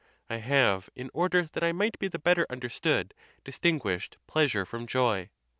I have, in order that I might be the better understood, dis tinguished pleasure from joy.